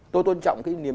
tôi tôn trọng cái niềm